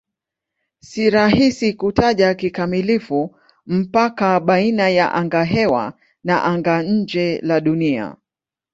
Si rahisi kutaja kikamilifu mpaka baina ya angahewa na anga-nje la Dunia.